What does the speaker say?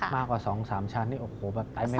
มากกว่า๒๓ชั้นนี้โอ้โหปั๊บใต้ไม่หมด